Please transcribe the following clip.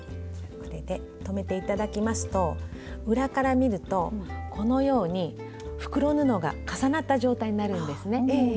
これで留めて頂きますと裏から見るとこのように袋布が重なった状態になるんですね。